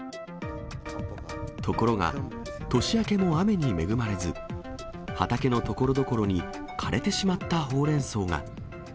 ところが、年明けの雨に恵まれず、畑のところどころに枯れてしまったほうれん草が。